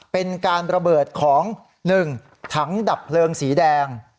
เป็นการระเบิดของ๑ถังดับเพลิงสีแดง